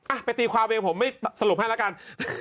อาไปตีความเป็นเค้าผมไม่สรุปให้แล้วกัน